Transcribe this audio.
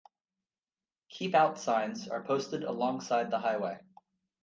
"Keep Out" signs are posted alongside the highway.